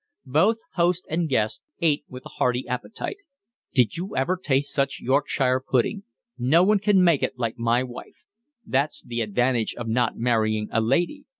Both host and guest ate with a hearty appetite. "Did you ever taste such Yorkshire pudding? No one can make it like my wife. That's the advantage of not marrying a lady.